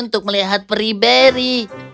untuk melihat peri beri